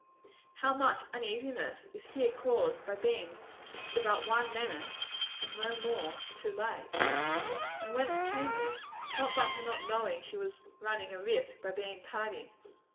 How much uneasiness is here caused by being just about one minute (and no more) too late! And whence came it? Not by her not knowing she was running a risk by being tardy.